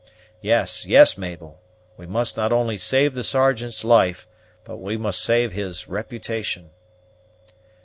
Yes, yes, Mabel, we must not only save the Sergeant's life, but we must save his reputation."